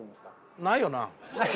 ないよな？